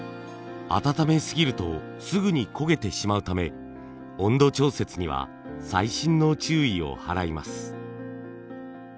温めすぎるとすぐに焦げてしまうため温度調節には細心の注意を払います。